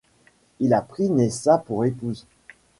Il a pris Nessa pour épouse.